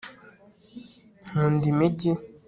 nkunda imigi